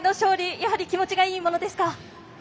やはり気持ちがいいものですか？